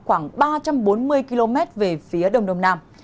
khoảng ba trăm bốn mươi km về phía đông đông nam